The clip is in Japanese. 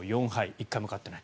１回も勝っていない。